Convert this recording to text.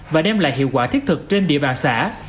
và đem lại hiệu quả thiết thực trên địa bàn xã